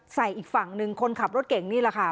อีกฝั่งหนึ่งคนขับรถเก่งนี่แหละค่ะ